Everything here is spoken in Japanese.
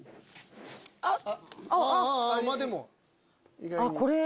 あっ。